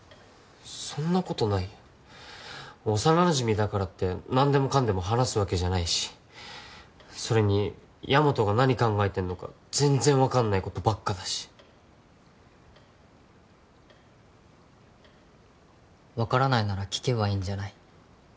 そんなことないよ幼なじみだからって何でもかんでも話すわけじゃないしそれにヤマトが何考えてんのか全然分かんないことばっかだし分からないなら聞けばいいんじゃない？